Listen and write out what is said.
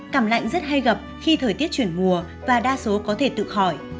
cảm lạnh rất hay gặp khi thời tiết chuyển mùa và đa số có thể tự khỏi